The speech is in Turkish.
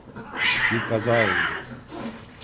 Bir kaza oldu.